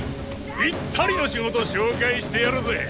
ぴったりの仕事紹介してやるぜ。